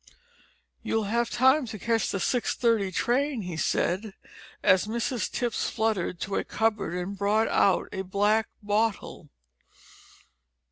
"You'll have time to catch the 6.30 train," he said, as Mrs Tipps fluttered to a cupboard and brought out a black bottle.